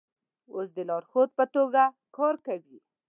اوس د لارښود په توګه کار کوي.